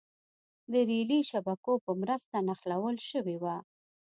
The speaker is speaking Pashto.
د رېلي شبکو په مرسته نښلول شوې وه.